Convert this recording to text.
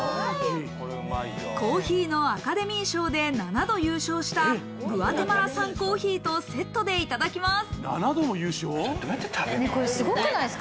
コーヒーのアカデミー賞で７度優勝したグアテマラ産コーヒーとセットでいただきます。